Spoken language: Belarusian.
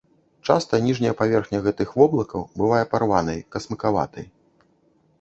Часта ніжняя паверхня гэтых воблакаў бывае парванай, касмыкаватай.